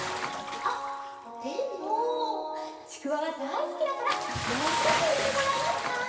あっでもちくわはだいすきだからもうひとついれてもらえますか？